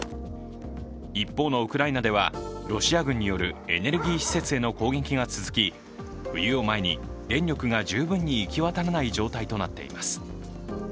一方のウクライナでは、ロシア軍によるエネルギー施設への攻撃が続き冬を前に、電力が十分に行き渡らない状態となっています。